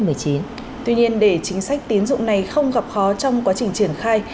tuy nhiên để chính sách tiến dụng này không gặp khó trong quá trình triển khai